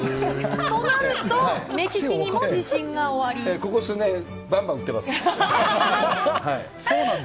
となると、目利きにもここ数年、ばんばん売ってます。